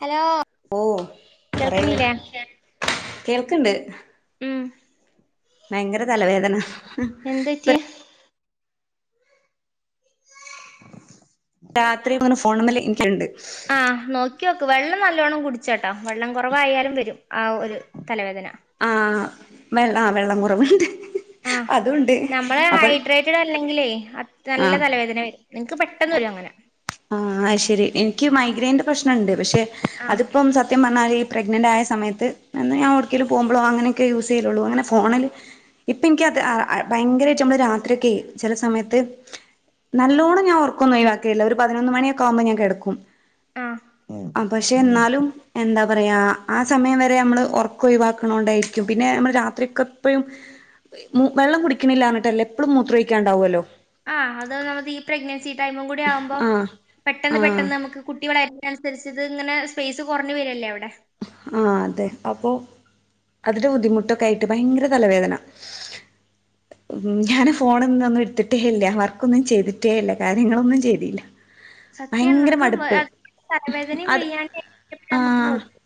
Hello ഓ പറയ്യ് കേൾക്കണില്ലേ കേൾക്ക്ണ്ട്. ഉം ഭയങ്കര തലവേദന ഇപ്പ എന്ത്റ്റി രാത്രി ഇങ്ങനെ ഫോണിമ്മൽ ഇരിക്കാലുണ്ട് ആ നോക്കി ഓക്ക് വെള്ളം നല്ലോണ്ണം കുടിച്ചട്ടോ വെള്ളം കുറവായാലും വരും ആ ഒരു തലവേദന. ആ വെള്ളം വെള്ളം കുറവുണ്ട്. ആ അതുണ്ട് നമ്മള് അപ്പോൾ ഹൈഡ്രേറ്റഡ് അല്ലെങ്കില് അ ആ നല്ല തലവേദന വരും ഇന്ക്ക് പെട്ടന്ന് വരും അങ്ങനെ.. ആ ശരി എനിക്ക് മൈഗ്രൈയിന്റെ പ്രശ്നംണ്ട് പക്ഷെ ആഹ് അതിപ്പം സത്യം പറഞ് പ്രഗ്നന്റ് ആയ സമയത്തന്ന് അന്ന് ഞാൻ എവിടെകെങ്കിലും പോവുമ്പോളോ യൂസ് ചെയ്യലോള്ളൂ അങ്ങനെ ഫോണിൽ ഇപ്പൊ ഇൻകാത് അത് ഭയങ്കരമായിട്ട് നമ്മള് രാത്രിയൊക്കെ ചില സമയത്ത്... നല്ലോണം ഞാൻഓർക്കൊന്നും ഒയിവാക്കില്ലാ ഒരു പതിനൊന്ന് മണി ക്കാ ബോ ഞൻ കെടക്കും പക്ഷെ ആഹ് ന്നാലും എന്താ എന്താ പറയുക ആ സമയം വരെ നമ്മള് ഉറക്കാം ഒഴിവാക്കണോണ്ടായിരിക്കും പിന്നെ നമ്മൾ രാത്രിയൊക്കെ എപ്പോഴും വെള്ളം കുടിക്കണില്ല എന്നിട്ടല്ലേ എപ്പോഴും മൂത്രം ഒയ്ക്കാണ്ടാവുല്ലോ.. ആഹ് അത് നമക്ക് ഈ പ്രഗ്നൻസി ടൈമും കൂടി ആവുമ്പോ പെ.. ആഹ് പെട്ടെന്ന് ആഹ് പെട്ടെന്ന് നമുക്ക് കുട്ടി വളരുന്ന തിനനുസരിച്ച് ഇത് ഇങ്ങനെ സ്പേയ്സ് കുറഞ്ഞു വരമല്ലേ അവിടെ ആ അതെ അപ്പൊ.. അതിന്റെ ബുദ്ധിമുട്ടൊക്കെ ആയിട്ട് ഭയങ്കര തലവേദന ഞാന് ഫോണൊഒന്നും എടുത്തിട്ടേ ഇല്ല വർക്കൊന്നും ചെയ്തിട്ടേ ഇല്ല കാര്യങ്ങളൊന്നും ചെയ്തിയില്ല സത്യാണ് ഭയങ്കര നമുക്ക് മടുപ്പ് തലവേദനയും അത് വയ്യാണ്ട് നമുക്ക് ആഹ് നോക്കും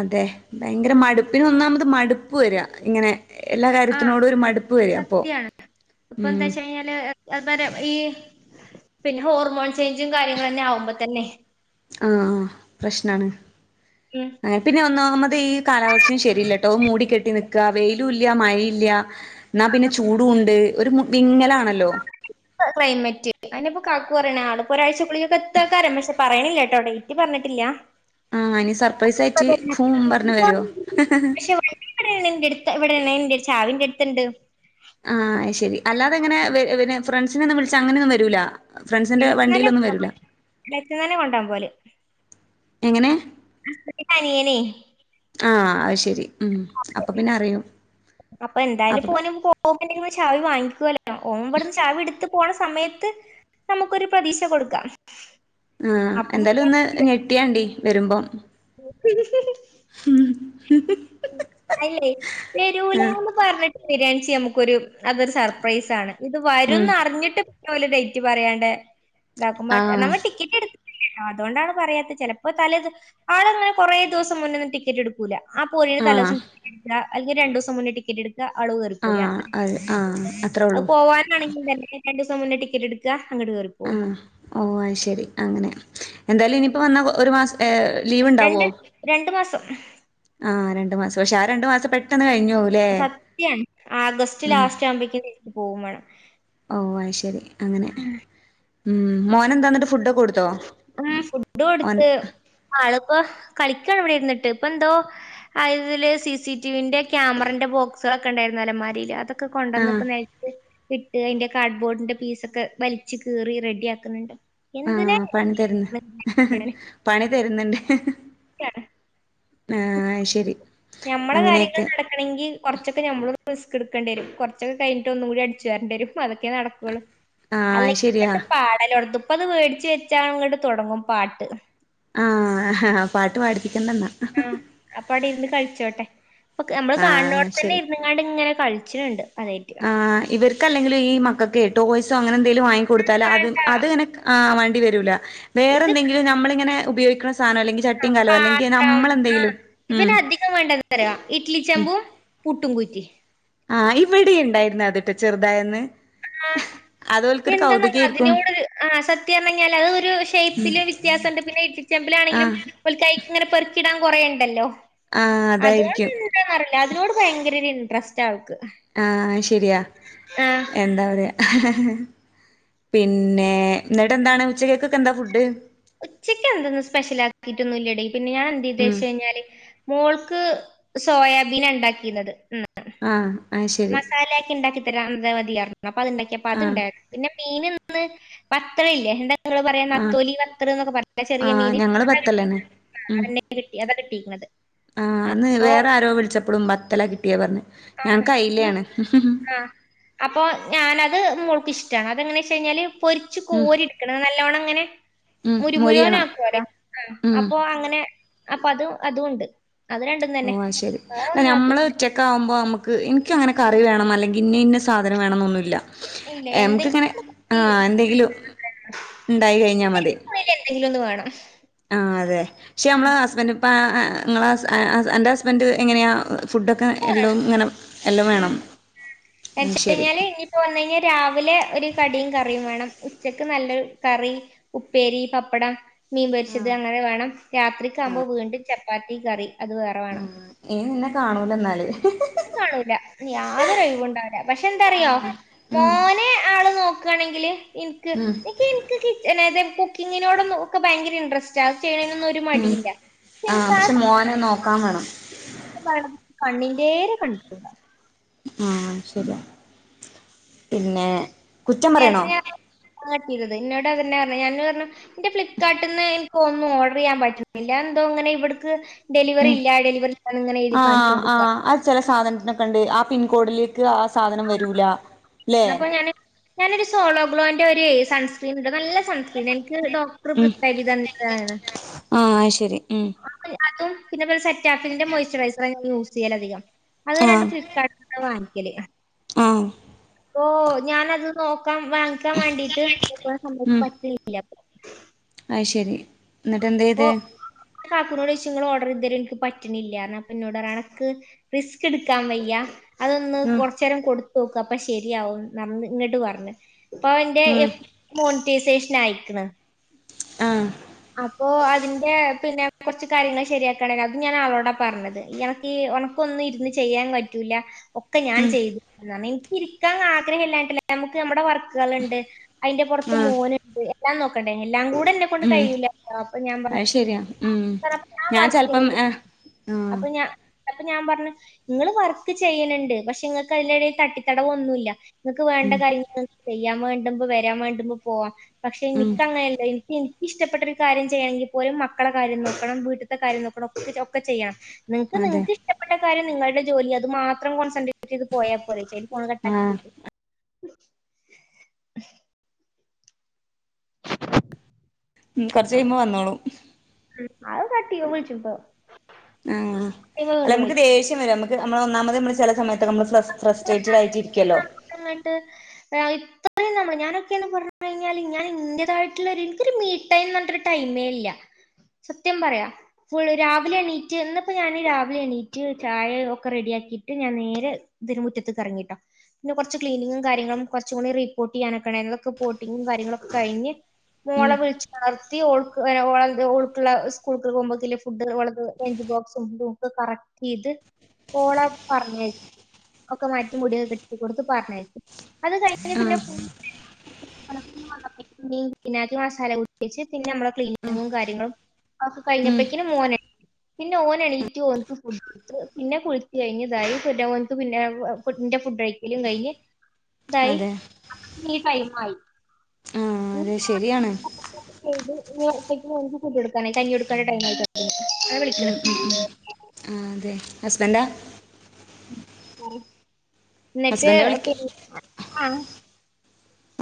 അതെ ഭയങ്കര ഉം മടുപ്പിന് ഒന്നാമത് മടുപ്പ് വര ഇങ്ങനെ എല്ലാ കാര്യത്തിനോടും ഒരു മടുപ്പ് വര പ്പൊ ഇപ്പ എന്താച്ച് കഴിഞ്ഞാല് [unintelligible] ഈ പിന്നെ ഹോർമോൺ ചേഞ്ചും കാര്യങ്ങളന്നെ ആവുമ്പോ തന്നെ ആഹ് പ്രശ്നാണ് ഉം ആ പിന്നെ ഒന്നാമ പ ഈ കാലാവസ്ഥയും ശരിയല്ല ട്ടോ മൂടി കെട്ടി നിക്ക വെയിലും ഇല്ല മഴേല്ല ന്നാ പിന്നെ ചൂടും ഉണ്ട് ഒരു വിങ്ങലാണല്ലോ ഹ് ക്ലൈമറ്റ് അഎന്നെ ഇപ്പൊ കാക്കു പറയണെ ആളിപ്പോ ഒരാഴ്ച ക്കുള്ളില് ക്കെത്തുക്കാരം പക്ഷെ പറയണി കേട്ടോ ഡെയ്റ്റ് പറഞ്ഞിട്ടില്ല ആഹ് ഇനി സർപ്രൈസ് ആയിട്ട് [unintelligible] ഫൂം പറഞ്ഞ് വരോ ഇവിടെ ണ്ൻ്റെടുത്ത് ഇവിടെയാണെൻ്റെടുത്ത് ചാവിന്റെടുത്തുണ്ട് ആഹ് അയ്ശരി അല്ലാതങ്ങനെ വെ പിന്നെ ഫ്രണ്ട്സിനെ ഒന്നും വിളിച്ച് അങ്ങനൊന്നും വരൂല ഫ്രണ്ട്സിന്റെ വിളിച്ചില്ലേലും വണ്ടിയിലൊന്നും വരൂല [unintelligible] പോലെ എങ്ങനെ ഹസ്ബന്റിന്റെനിയനെ ആഹ് അയ്ശരി ഉം അപ്പൊ പിന്നെ അറിയും അപ്പൊ എന്തായാലും അപ്പൊ ഇപ്പൊ ഓനെ [unintelligible] ചാവി വാങ്ങി ക്കുല്ലോ ഓൻ ഇവിടുന്ന് ചാവി എടുത്ത് പോണ സമയത്ത് നമുക്കൊരു പ്രതീക്ഷ കൊടുക്കാം ആ അപ്പൊ എന്തായാലും ഒന്ന് ഞെട്ടിയാണ്ടി വരുമ്പം ഹും അല്ലെ വെരൂലാന്ന് പറഞ്ഞി വരാണിച്ച നമുക്കൊരു അതൊരു സർപ്രൈസാണ് ഇത് ഉം വരുന്നറിഞ്ഞിട്ട് ന്നോലു ഡേറ്റ് പറയാണ്ട് ഇതാക്കുമ്പോ ആഹ് നമ്മള് ടിക്കറ്റെടു ത്തിലാട്ടോ അതോണ്ടാണ് പറയാത്തെ ചെലപ്പോ തലേ ദ് ആളങ്ങനെ കൊറേ ദിവസം മുന്നൊന്നും ടിക്കറ്റെടുക്കൂല അ പോവുന്നേന് ആഹ് തലേസം ടിക്കറ്റെടുക്കാ അല്ലെങ്കി രണ്ടുസം മുന്നേ ടിക്കറ്റ് എടു ക്ക ആള് കേറി പോരും ആഹ് അത്രന്നെ അത് ആഹ് അത്രേ അത് ഉള്ളൂ പോവാനാണെങ്കിലും തന്നെ രണ്ടൂസം മുന്നേ ടിക്കറ്റ് എടുക്ക ആഹ് ഓ അത്ശരി അങ്ങനെ എന്തായാലും ഇനിയിപ്പോ വന്ന ഒരു മാസം ഏ രണ്ട് ലീവുണ്ടാവോ രണ്ട് മാസം ആഹ് രണ്ടു മാസം പക്ഷെ ആ രണ്ടു മാസം പെട്ടെന്ന് കഴിഞ്ഞു പോവുല്ലേ സത്യം ആഗസ്റ്റ് ലാസ്റ്റ് ആവുമ്പേയ്ക്കും തിരിച്ച് പോകുംവേണം ഓ അത്ശരി അങ്ങനെ ഉം മോനെന്താന്നിട്ട് ഫുഡൊ ഉം ഫുഡ് കൊടുത്ത് ആളി ഇപ്പ കളിക്കാണ് ഇവിടെ ഇരുന്നിട്ട് ഇപ്പന്തോ അയില് സി സി ടിവിന്റെ ക്യാമറന്റെ ബോക്സ് കളൊക്കെ ഉണ്ടായിരുന്നു അലമാരില് അതൊക്കെ ആഹ് കൊണ്ടന്നിപ്പോ നെൽത്ത് ക്കിട്ട് അതിന്റെ കാർഡ്ബോർഡിന്റെ പീസൊക്കെ വലിച്ചു കീറി റെഡി ആക്കുന്നുണ്ട് എന്തിനെ- ആഹ് പണി തരുന്ന് പണി തരുന്നണ്ട് ക്കാണ് അത് ശരി ഞമ്മടെ കാര്യങ്ങള് അങ്ങനെയൊക്കെ നടക്കണങ്കിൽ കൊറച്ചൊക്കെ ഞമ്മളും- റിസ്ക്ക് എടുക്കേണ്ടിവരും കുറൊ ച്ചൊക്കെ കഴിഞ്ഞിട്ട് ഒന്നും കൂടി അടച്ചുവാരണ്ടേവരും അതൊക്കേ നടക്കുള്ളു ആഹ് അത് അല്ലെങ്കി ഇപ്പയെന്ത് ശരിയാ പാടല്ലോടത്തും- ഇപ്പ അത് വേടിച്ച് വെച്ചാ അങ്ങട് തൊടങ്ങും പാട്ട് ആഹ്ഹ പാട്ട് പാടി ആഹ് അപ്പ അവിടെ ഇരുന്ന് കഴിച്ചോട്ടെ പ്പൊക്ക് നമ്മള് ആഹ് കാണണോടതന്നെ ശരി ഇരുന്നങ്ങാണ്ട് ഇങ്ങനെ കളിച്ച്ണണ്ട് അതായിട്ട്- ക്കല്ലെങ്കിലും ഈ മക്കക്കേ ടോയ്സോ അങ്ങനെ എന്തേലും വാങ്ങി കൊടുത്താൽ അത് വേണ്ട അത് ഇങ്ങനെ വാണ്ടി വരൂല്ല വേറെ ഇത് എന്തെങ്കിലും നമ്മളിങ്ങനെ ഉപയോഗിക്കണ സ് സാനം അല്ലെങ്കി ചട്ടീം കലോ അല്ലെങ്കി പാത്രം നമ്മള് ആഹ് എന്തെങ്കിലും ഉം ഇവന് അധികം വേണ്ടതറിയോ ഇഡ്ലി ചെമ്പും പുട്ടും കു തിട്ട് ചെറുതായെന്ന് എന്താന്ന അതിനോടൊര് ആ അസത്യന്നല്ലെ അത് ഒരു ഷേപ്പില് വ്യത്യാസണ്ട് പിന്നെ ഇട്ടിച്ചമ്പില് ആണെങ്കിലും ആഹ് പ്പൊ കൈലിങ്ങനെ പെറുക്കിടാൻ കൊറേണ്ടല്ലോ ആഹ് അതോണ്ട് അതായിരിക്കും അതിനോട് ഭയങ്കരൊര് ഇൻട്രസ്റ്റ് ആവും ആ ശരിയാ ആഹ് എന്താ പറയാ പിന്നെ എന്നിട്ടെന്താണ് ഉച്ചെക്കക്കൊക്കെ എന്താ ഫുഡ് ഉച്ചക്ക് എന്തൊന്നും സ്പെഷ്യലായിട്ടൊന്നും ഇല്ലടീ പിന്നെ ഞാൻ ഉം എന്തെയ്തേച്ചാഞ്ഞാല്‌ മോൾക്ക് സോയാബീനാണ്ടാക്കീനത് ഇന്ന് ആഹ് അത് ശരി മസാലയൊക്കെ ഉണ്ടാക്കി തരാം അത് മതിയാ അപ്പൊ അത്തുണ്ടാക്കിയപ്പ അത് ആഹ് ഇണ്ടായി പിന്നെ മീനന്ന് പത്രല്ലേ എന്താ ങ്ങള് പറയ്ന്ന ആഹ് നത്തോലി വത്തൾ ന്നൊക്കെ പറയ്ണ ചെറിയ ആഹ് മീൻ ഞങ്ങള് ബത്തലാണ് ആ അതന്നെ കിട്ടി അതാ കിട്ടിയിരിക്കുന്നത് ആ അന്ന് അപ്പോ വേറെ ആരോ വിളിച്ചപ്പോളും വത്തലാ കിട്ടിയേന്ന് പറഞ്ഞ് ആ ഞങ്ങക്ക് അയിലയാണ് ആആ അപ്പൊ ഞാനത് മോൾക്ക് ഇഷ് ഷ്ട്ട ആ അതെങ്ങനെച്ചയ്ഞ്ഞാല് പൊരിച്ച് ഉം കോരിട്ക്കണം നല്ലോണങ്ങനെ ഉം മുരു മൊരിയണം മുരുവനാക്കുവേലോ ഉം അപ്പൊ അങ്ങനെ അപ്പൊ അതും അതും ഉണ്ട് അത് രണ്ടും ഓ തന്നെ. അത് ശരി ല്ല വേറൊന്നും ആക്കി നമ്മള് ഉച്ചക്കാവുമ്പോ മ്മ ഇൻക് അങ്ങനെ കറി വേണം അല്ലെങ്കിൽ ഇന്ന ഇന്ന സാധനം വേണം എന്നൊന്നുല്ല ഇല്ല. നമുക്ക് എന്തെങ്കിലും ഇങ്ങനെ ഒന്ന് ആ കൂട്ടി എന്തെങ്കിലും ഉണ്ടായി കഴിഞ്ഞാ മതി എരിവുള്ളിൽ എന്തെങ്കിലും ഒന്ന് വേണം. ആ അതെ പക്ഷെ നമ്മളെ ഹസ്ബൻ് ഇപ്പം ഇങ്ങളെ ഹസ് ഹസ് അന്റെ ഹസ്ബൻഡറ് എങ്ങനെയാ ഫുഡൊക്കെ ഒക്കെ എല്ലോം വേണം. ഇങ്ങനെ എല്ലോം ഉം. വേണം ഉം [unintelligible] ശരി കഴിഞ്ഞാല് ഇനിയിപ്പോ വന്നു കഴിഞ്ഞാൽ രാവിലെ ഒരു കടിയും കറിയും വേണം ഉച്ചക്ക് നല്ലൊരു കറി ഉപ്പേരി പപ്പടം മീൻ പൊരിച്ചത് അങ്ങനെ വേണം രാത്രിക്കാവുമ്പോ വീണ്ടും ചപ്പാത്തി കറി അത് വേറെ വേണം. കാണൂലന്നാല് കാണൂല്ല യാതൊരൊഴിവുണ്ടാവൂല പക്ഷെ എന്താറിയോ മോനെ ആള് നോ ക്കാനെങ്കില് ഇൻക് ഇൻക് ഇൻക് കിട്ട് ണേന്റ കുക്കിങ്ങിനോടൊന്നും ഒക്കെ ഭയങ്കര ഇൻട്രസ്റ്റ് റ്റ ച്ചെയ്യണേനൊന്നും ഒരു ഉം മടിയില്ല ആഹ് പക്ഷെ മോനെ നോക്കാൻ വേണം പടം കണ്ണിന്റേരെ കണ്ടുട ആ ശരിയാ പിന്നെ കുറ്റം പറയണോ [unintelligible] ഇന്നോട് അതന്നെ പറഞ്ഞെ [unintelligible] ഇന്റെ ഫ്ലിപ്കാർട്ടിന്ന് പ്പൊ ഒന്നും ഓർഡറെയ്യാൻ പറ്റുന്നില്ല അതെന്തോ ഇങ്ങനെ ഇവിടുക്ക് ഉം ആ ആ കാണിച്ചുകൊണ്ടിരിക്കുക അത് ചെല സാധനത്തിനൊക്കെണ്ട് ആ പിൻകോഡില് ക്ക് ആ സാധനം വരൂല ല്ലേ അപ്പൊ ഞാൻ ഞാനൊരു സോളൊഗ്ലോന്റെ ഒരു സൺസ്ക്രീൻ ഉണ്ട് നല്ല സൺസ്ക്രീൻ എനിക്ക് ഡോക്ടർ ഉം പ്രത്യേകത ന്താണ് ആഹ് അത് ശരി ഉം അതും പിന്നെ സെറ്റ് റ്റഫിന്റെ മോയ്സ്ചറൈസറായിരുന്നു യൂസ് ചെയ്യലധികം അത് ആഹ് രണ്ടും ഫ്ലിപ്കർട്ടിന്ന വാങ്ങിക്കല്. ആഹ് ഓ ഞാനത് നോക്കാൻ വാവാങ്ങിക്കാൻ വാണ്ടിയിട്ട് [unintelligible] ഉം പറ്റ്ണ്ല്ല അത് ശരി എന്നിട്ട് എന്ത് ഓ ചെയ്ത് കാക്കൂനോടോയ്ച്ച് ഇങ്ങളോ ഇതരെ ഇൻക് പറ്റ്ണില്ലാന്ന് അപ്പൊ ഇന്നോടൊരാൾ അൻക് റിസ്കിട്കാൻ വയ്യാ അതൊന്ന് ഉം കൊർച്ചേരം കൊടുത്തു നോക്ക് അപ്പൊ ശരിയാവുംന്ന് ഇങ്ങട്ട് പർഞ്ഞ് ബപ്പവന്റ ഉം സ് മോണിറ്റൈസേഷൻ ആയിക്ക്ണ് ആഹ് അപ്പൊ അതിന്റെ പിന്നെ കൊർച്ച് കാര്യങ്ങൾ ശരിയാക്കാണ്ടേനി അതും ഞാൻ ആളോടാ പറഞ്ഞത് എനക്ക് ഈ ക്കൊന്നും ഇരുന്ന് ചെയ്യാൻ പറ്റൂല ഒക്കെ ഞാൻ ഉം ചെയ്തു തരണം എനിക്ക് ഇരിക്കാൻ ആഗ്രഹല്ലാഞ്ഞിട്ടല്ല ഇൻക് നമ്മടെ വർക്കുകള്ണ്ട് അതിന്റെ പുറത്ത് ആഹ് മോനുണ്ട് എല്ലാം നോക്കണ്ടേ എല്ലാം കൂടെ എന്നെ കൊണ്ട് ഉം കഴിയൂല അപ്പൊ ഞാൻ പറഞ്ഞ അത് ശരിയാ ഉം ഞാൻ ചെലപ്പം [unintelligible] ആഹ് ആഹ് അപ്പൊ ഞാ അപ്പൊ ഞാൻ പറഞ്ഞു ഇങ്ങള് വർക്ക് ചെയ്യല്ണ്ട് പക്ഷെ ഇങ്ങക്ക് അതിന്റെടേൽ തട്ടിത്തടവൊന്നുല്ല നിങ്ങക്ക് വേണ്ട ഉം കാര്യങ്ങൾ? ചെയ്യാൻ വേണ്ടുമ്പോ വരാൻ വേണ്ടുമ്പോ പോവാം. പക്ഷെ ഉം എനിക്കങ്ങനെയല്ല എനിക്ക് എനക്കിഷ്ടപ്പെട്ട ഒരു കാര്യം ചെയ്യണെങ്കിൽ പോലും മക്കളെ കാര്യം നോക്കണം. വീട്ടത്തെ കാര്യം നോക്കണം. ഒക്കെ ചെയ്യണം. നിങ്ങക്ക് അതെ നിങ്ങക്ക് ഇഷ്ടപ്പെട്ട കാര്യം നിങ്ങളുടെ ജോലി അത് മാത്രം കോൺസെട്രേറ്റ് ചെയ്ത് പോയാൽ പോരേ? [unintelligible] ഫോണ് കട്ടാക്കി ആഹ് പോയിക് ണ് ഉം. കൊറച്ച് കഴിയുമ്പോ വന്നോളും. അത് [unintelligible] വിളിച്ചു ഇപ്പം ആ അല്ല നമുക്ക് ദേഷ്യം വരും. നമ്മക്ക് നമ്മള് ഒന്നാമത് നമ്മള് ചില സമയത്തൊക്കെ നമ്മള് ഫ്ര ഫ്രസ്ട്രേറ്റഡ് ആയിട്ടിരിക്കല്ലോ? നമ്മ ഞാനൊക്കെയന്ന് പറഞ്ഞു കഴിഞ്ഞാല് ഞാൻ ഇന്റതായിട്ടുള്ള ഒര് ഇൻക്കൊരു മീ ടൈം പറഞ്ഞിട്ടരു ടൈമേ ഇല്ല. സത്യം പറയാ. ഫുൾ രാവിലെ എണീറ്റ് ഇന്നിപ്പോ ഞാൻ രാവിലെ എണീറ്റ് ചായ ഒക്കെ റെഡി ആ ക്കിട്ട് ഞാൻ നേരെ തിന് മുറ്റത്ത് ഇറങ്ങിട്ടോ പിന്ന കുറച്ചു ക്ലീനിങ്ങും കാര്യങ്ങളും കുറച്ചൂകൂടി റി പോട്ടയ്യാനൊക്കെ ണ്ടായ് നി അതൊക്കെ പോട്ടിങ്ങും കാര്യ ര്യങ്ങളൊക്കെ കഴിഞ്ഞ് ഉം മോളേ വിളിച്ചുണർ ത്തി ഓൾക്ക് ഓൾക്കുള്ള സ്കൂൾക്ക് പോകുമ്പോത്തില്ല ഫുഡ് ഓൾ ത് ലഞ്ച് ബോക്സും ഇതും ഒക്കെ കറക്റ്റ് [unintelligible] ഓളെ പറഞ്ഞയ ഒക്കെ മാറ്റി മുടി കെട്ട കൊടുത്ത് പറഞ്ഞഅയക്കും. അത് കഴിഞ്ഞ് പിന്നെ ആഹ് ഫുൾ [unintelligible] ആ ക്കി മസാല പിടിപ്പിച്ച് പിന്നെ നമ്മുടെ ആഹ് ക്ലീനിങ്ങും കാര്യങ്ങളും അ ഒക്കെ ഉം കഴിഞ്ഞപ്പേക്കിന് മോൻ പിന്നെ ഓൻ എണീറ്റു ഓനിക്ക് ഫുഡു കൊടുത്ത് പിന്നെ കുളിച്ച് കഴിഞ്ഞ് ഇതായിപിന്നെ ഓൻ പിന്നെന്റെ ഫുഡ് കഴിക്കലും കഴിഞ് ഇതായി അതെ [unintelligible] ടൈമായി [unintelligible] ആഹ് അതെ ശരിയാണ് [unintelligible] മോൻക് ഫുഡ് കൊടുക്കാനായി കഞ്ഞി കൊടുക്കാനാള്ള ടൈമായ് [unintelligible] അതാ വിളിക്ക്ണ് ഉം ഉം ഉം ആഹ് അതെ ഹസ്ബൻഡാ എന്നിട്ട് ഹസ്ബൻഡാ വിളിക്ക പിൻ ആ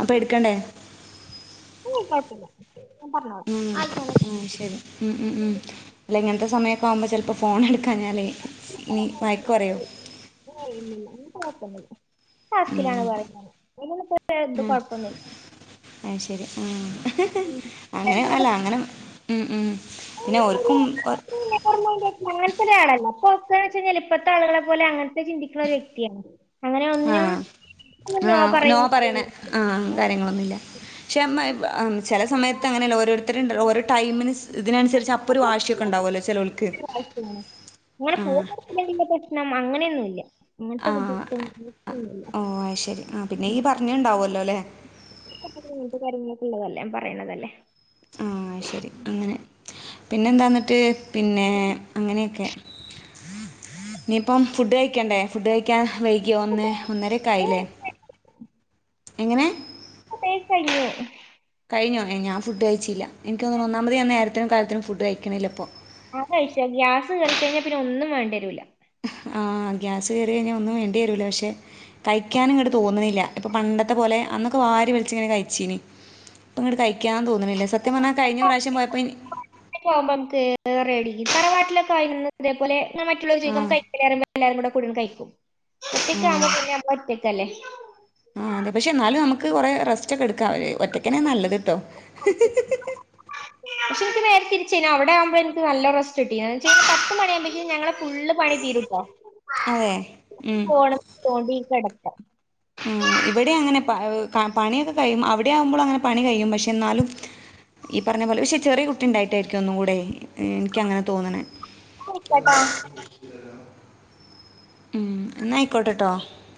അപ്പൊ എടുക്കണ്ടേ? ഉം. കുഴപ്പമില്ല ഞാൻ പറഞ്ഞോളാ ഉം ആഹ് ഇത്ര സമയൊക്കെ ആവുമ്പോ ചിലപ്പം ഫോൺ എടുക്കാഞ്ഞാലെ ഇനി വയക്ക് പറയൊ കുഴപ്പമൊന്നുല്ല. ടാസ്‌കിലാണ് ന്ന് പറിം ഞാന്. [unintelligible] ഇത് കൊഴപ്പമൊന്നുല്ല. ഏഹ് ശരി ഉം. ഹ ഹ അങ്ങനെ എന്താണ് അല്ല അങ്ങനെ ഉം ഉം പിന്നെ ഓർക്കും ഒ- [unintelligible] അങ്ങനത്തെ ഒരാളല്ല. [unintelligible] ഇപ്പത്തെ ആളുകളെ പോലെ അങ്ങനത്തെ ചിന്തിക്കുന്ന ഒരു വ്യക്തിയാണ്. അങ്ങനെ ആ ഒന്നിനും ഒന്നും ആ നോ പറയുന്ന പറയ്ണ അങ്ങനെ ആ കാര്യങ്ങളൊന്നുല്ല. പക്ഷേമ്മ ചില സമയത്ത് അങ്ങനെയല്ല ഓരോരുത്തരു ണ്ടല്ലോ ഓരോ ടൈമിന് ഇതിനനുസരിച്ച് അപ്പൊ ഒരു വാശിയൊക്കെ ഉണ്ടാവു വല്ലോ ചെലോൽക്ക് ആഹ് നംഅങ്ങനെയൊന്നുല്ല. അങ്ങനത്തെ ബുദ്ധിമുട്ട് ആ, ബുദ്ധിമൂട്ടൊന്നുല്ല ഓ അത് ശരി ആ പിന്നെ ഈ പറഞ്ഞുണ്ടാവുമല്ലോ അല്ലേ [unintelligible] പറിണതല്ലേ? ആ ശരി അങ്ങനെ പിന്നെന്താന്നട്ട്? പിന്നെ അങ്ങനെയൊക്കെ ഇനിപ്പം ഫുഡ് കഴി ക്കണ്ടേ? ഫുഡ് കഴിക്കാൻ വൈകിയോ ഒന്നെ ഒന്നരക്കായില്ലേ? എങ്ങനെ? [unintelligible] കയ്ഞ്ഞു കഴിഞ്ഞോ? ഞാൻ ഫുഡ്കഴിച്ചില്ല. എനിക്ക്ഒന്നാമതേ ഞാൻനേരത്തിനും കാലത്തിലും ഫുഡ് കഴിക്ണില്ല ഇപ്പം ഞാൻ കഴിച്ചു ഗ്യാസ് കേറി കഴിഞ്ഞാൽ പിന്നെ ഒന്നും വേണ്ടി വരൂല്ല. ആ ഗ്യാസ് കയറി കഴിഞ്ഞാൽ ഒന്നും വേണ്ടി വരുല്ല. പക്ഷെ കഴിക്കാൻ ഇങ്ങട്ട് തോന്ന് ണില്ല. ഇപ്പം പണ്ടത്തെ പോലെ അന്നൊക്കെ വാരി വിലിച്ചങ്ങനെ കഴിച്ചീനി ഇപ്പം ങ്ങട് കഴി ഴിക്കാൻ തോന്നണില്ല സത്യം പറഞ്ഞാൽ കഴിഞ്ഞ പ്രാവശ്യം പോയപ്പം ഈ തറവാട്ടിലക്കെ ഇതേ പോലെ മറ്റുള്ളവര് ആ ചോദിക്കുംകഴിക്കുന്നില്ലേ എല്ലാരും കൂടെ കഴിക്കും. എറ്റിക്ക ആനിക്കന്ന നമള് ഒറ്റക്കല്ലേ ആഹ് അതെ പക്ഷേ എന്നാലും നമുക്ക് കുറെ റെസ്റ്റ് ഒക്കെ എടുക്കാവെ ഒറ്റക്കനെ നല്ലത്ട്ടോ തിരിച്ചഴിഞ്ഞ അവിടെആവുമ്പോ എനിക്ക് നല്ല റസ്റ്റ്‌ തന്നെയാ കഴിഞ്ഞ പത്ത്ണിയുമ്പഴേക്കും ഞങടെ ഫുള്ള് പണി തീരുമ്പോ അതെ ഉം. ഫോണി തോണ്ടികിടക്കാം ആ ഉ [unintelligible] ഇവിടെ അങ്ങനെ പണിയൊക്കെ കഴിയും അവിടെ ആവുമ്പോളും അങ്ങനെ പണി കഴിയും പക്ഷെ എന്നാലും ഈ പറഞ്ഞപോലെ പക്ഷെ ചെറിയ കുട്ടി ഉണ്ടായിട്ടായിരിക്കും ഒന്നും കൂടെ എനിക്കങ്ങനെ തോനണെ കിടക്കാം ഉം എന്നായിക്കോട്ടെട്ടോ